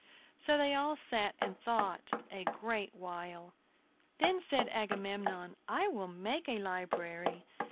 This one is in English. So they all sat and thought a great while. Then said Agamemnon, "I will make a library.